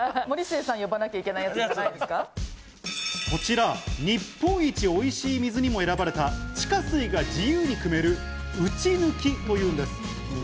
こちら、日本一おいしい水にも選ばれた、地下水が自由にくめる、うちぬきというんです。